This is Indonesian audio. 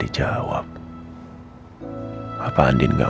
dibaca tapi kenapa gak dijawab